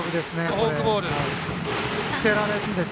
フォークボールです。